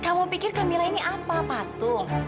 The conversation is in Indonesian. kamu pikir kamilah ini apa patung